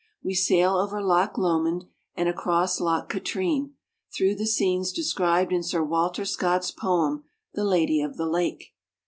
We sail over Loch Lomond and across Loch Katrine, through the scenes described in Sir Walter Scott's poem, " The Lady of the Lake."